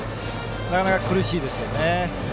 なかなか苦しいですよね。